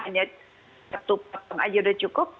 misalnya kita hanya satu potong aja udah cukup